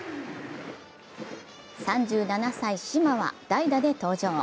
３７歳・嶋は代打で登場。